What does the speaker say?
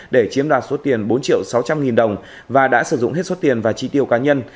để chiếm đạt suất tiền bốn triệu sáu trăm linh nghìn đồng và đã sử dụng hết suất tiền và tri tiêu cá nhân